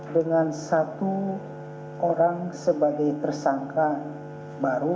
dengan satu orang sebagai tersangka baru